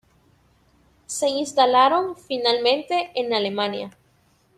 Se instalaron finalmente en Alemania.